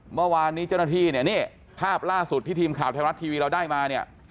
เมื่อวานนี้เจ้าหน้าที่เนี่ยนี่ภาพล่าสุดที่ทีมข่าวไทยรัฐทีวีเราได้มาเนี่ย